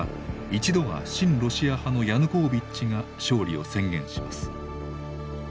一度は親ロシア派のヤヌコービッチが勝利を宣言します。